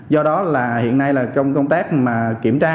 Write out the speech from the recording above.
do đó là hiện nay trong công tác mà kiểm tra